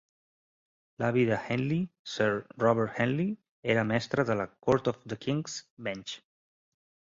L'avi de Henley, Sir Robert Henley, era mestre de la Court of the King's Bench.